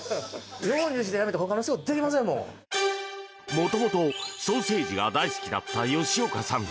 元々ソーセージが大好きだった吉岡さん。